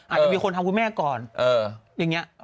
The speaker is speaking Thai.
อาจจะมีคนทำคุณแม่ก่อนอย่างนี้